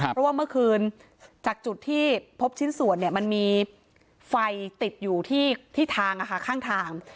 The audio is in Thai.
เพราะว่าเมื่อคืนจากจุดที่พบชิ้นส่วนมันมีไฟติดอยู่ที่ทางข้างทาง